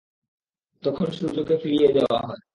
তখন সূর্যকে ফিরিয়ে দেয়া হয়।